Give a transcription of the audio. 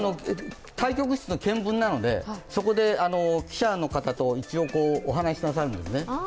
対局室の検分なので、そこで記者の方とお話なさるんですね。